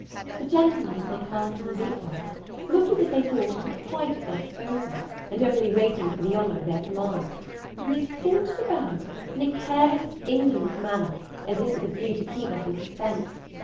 The gentlemen, as they passed and repassed, looked as if they thought we were quite at their disposal, and only waiting for the honour of their commands; and they sauntered about, in a careless, indolent manner, as if with a view to keep us in suspense.